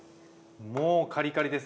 もうカリカリですね！